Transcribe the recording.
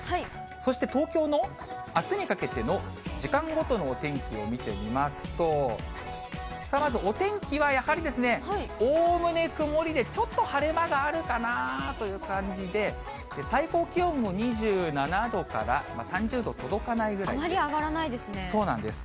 そして、東京のあすにかけての時間ごとのお天気を見てみますと、まずお天気はやはりですね、おおむね曇りで、ちょっと晴れ間があるかなという感じで、最高気温も２７度から３０度届かないぐらいです。